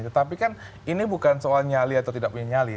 tetapi kan ini bukan soal nyali atau tidak punya nyali